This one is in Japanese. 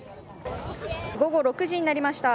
午後６時になりました。